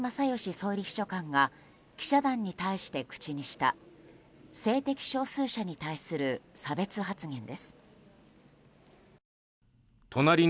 総理秘書官が記者団に対して口にした性的少数者に対する差別発言です。